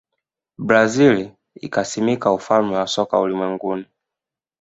brazil ikasimika ufalme wa soka ulimwenguni